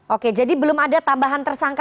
oke jadi belum ada tambahan tersangka